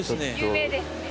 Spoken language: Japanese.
有名ですね。